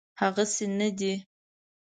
هغسي نه دی.